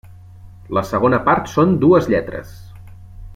La segona part són dues lletres.